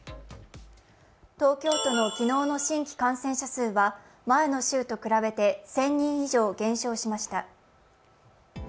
東京都の昨日の新規感染者数は前の週と比べて１０００人以上減少しました。